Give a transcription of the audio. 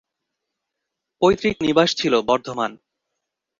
পৈতৃক নিবাস ছিল বর্ধমান।